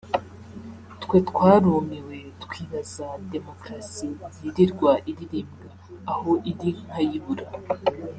twe twarumiwe twibaza democracy yirirwa iririmbwa aho iri nkayibura